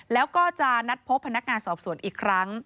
แล้วก็จะนัดพบพนักงานสอบสวนอีกครั้ง